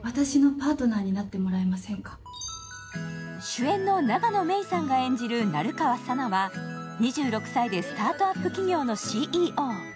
主演の永野芽郁さんが演じる成川佐奈は、２６歳でスタートアップ企業のＣＥＯ。